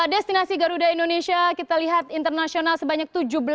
destinasi garuda indonesia kita lihat internasional sebanyak tujuh belas